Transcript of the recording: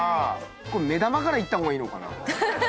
これ目玉からいった方がいいのかな？